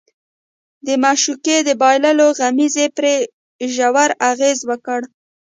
د معشوقې د بايللو غمېزې پرې ژور اغېز وکړ.